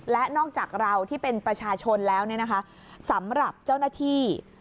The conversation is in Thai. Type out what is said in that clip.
และนอกจากเราที่เป็นประชาชนแล้วสำหรับเจ้าหน้าที่